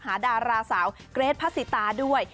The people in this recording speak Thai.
ดาราสาวเกรทพระสิตาด้วย